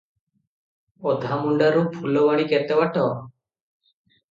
ଅଧାମୁଣ୍ଡାରୁ ଫୁଲବାଣୀ କେତେ ବାଟ?